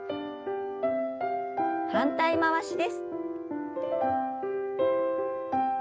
反対回しです。